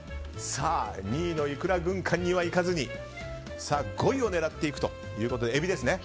２位のいくら軍艦にいかずに５位を狙っていくということでえびですね。